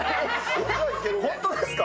本当ですか？